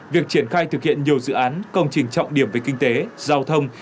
việc triển khai thực hiện nhiều dự án công trình trọng điểm về kinh tế giao thông